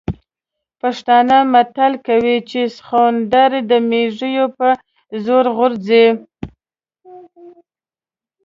پښتانه متل کوي چې سخوندر د مېږوي په زور غورځي.